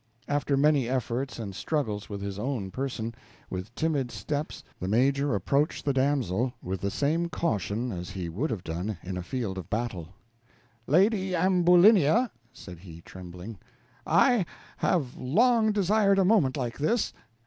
After many efforts and struggles with his own person, with timid steps the Major approached the damsel, with the same caution as he would have done in a field of battle. "Lady Ambulinia," said he, trembling, "I have long desired a moment like this.